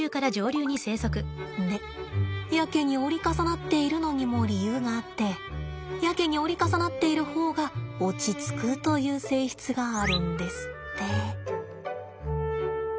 でやけに折り重なっているのにも理由があってやけに折り重なっている方が落ち着くという性質があるんですって。